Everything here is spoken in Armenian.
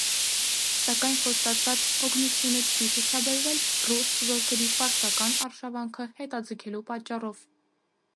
Սակայն խոստացված օգնությունը չի ցուցաբերվել՝ ռուս զորքերի պարսկական արշավանքը հետաձգելու պատճառով։